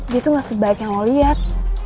dia tuh gak sebaik yang lo liat